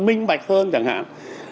mình bạch hơn chẳng hạn